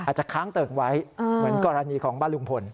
ค้างเติ่งไว้เหมือนกรณีของบ้านลุงพล